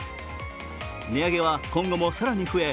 値上げは今後も更に増え